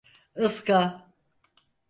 Iska!